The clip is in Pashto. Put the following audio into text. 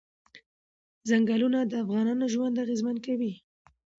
چنګلونه د افغانانو ژوند اغېزمن کوي.